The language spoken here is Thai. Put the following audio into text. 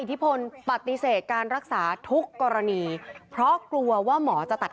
ที่พลปฏิเสธการรักษาทุกกรณีเพราะกลัวว่าหมอจะตัด